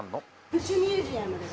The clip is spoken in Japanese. プチミュージアムです。